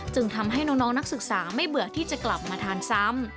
ทำให้น้องนักศึกษาไม่เบื่อที่จะกลับมาทานซ้ำ